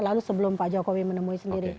lalu sebelum pak jokowi menemui sendiri